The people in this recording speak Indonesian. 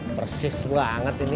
persis banget ini